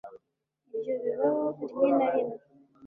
ibyo bibaho rimwe na rimwe